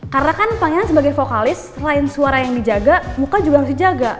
karena kan pangeran sebagai vokalis selain suara yang dijaga muka juga harus dijaga